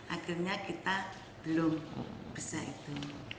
akhirnya kita belum bisa itu